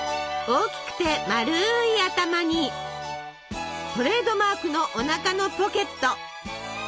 大きくて丸い頭にトレードマークのおなかのポケット。